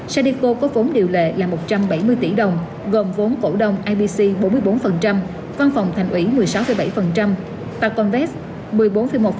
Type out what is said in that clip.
sadeco có vốn điều lệ là một trăm bảy mươi tỷ đồng gồm vốn cổ đông ibc bốn mươi bốn văn phòng thành ủy một mươi sáu bảy và con vết một mươi bốn một